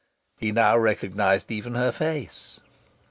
He now recognized even her face!